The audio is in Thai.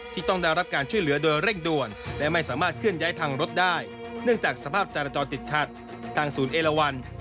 ที่ต้องได้รับการช่วยเหลือโดยเร่งด่วน